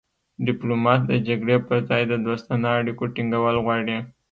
ډیپلومات د جګړې پر ځای د دوستانه اړیکو ټینګول غواړي